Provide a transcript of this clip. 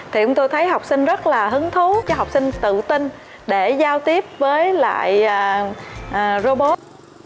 thì tôi thấy học sinh rất là hứng thú cho học sinh tự tin để giao tiếp với lại robot